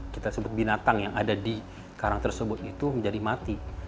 kita sebut binatang yang ada di karang tersebut itu menjadi mati